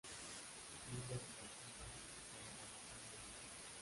Libro de Consulta para Evaluación Ambiental.